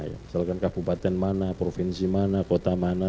misalkan kabupaten mana provinsi mana kota mana